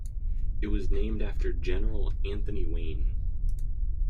It was named after General Anthony Wayne.